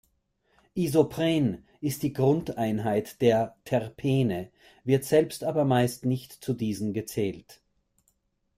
Isopren ist die Grundeinheit der Terpene, wird selbst aber meist nicht zu diesen gezählt.